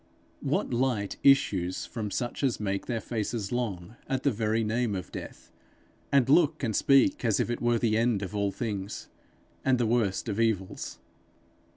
What light issues from such as make their faces long at the very name of death, and look and speak as if it were the end of all things and the worst of evils?